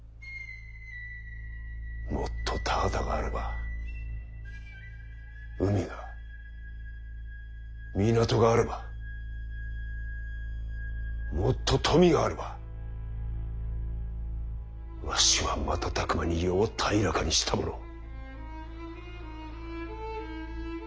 もっと田畑があれば海が港があればもっと富があればわしは瞬く間に世を平らかにしたものを。